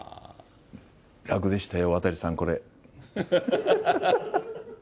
楽でしたよ、渡さん、これ。